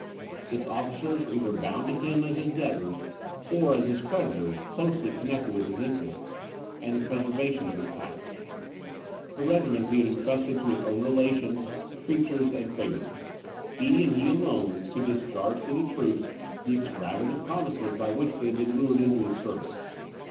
Its officers were either bound to him as his debtors, or, as his creditors, closely connected with his interests, and the preservation of his power. The regiments he had entrusted to his own relations, creatures, and favourites. He, and he alone, could discharge to the troops the extravagant promises by which they had been lured into his service.